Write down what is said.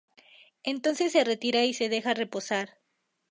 Entonces se retira y se deja reposar.